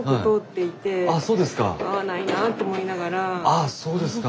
ああそうですか。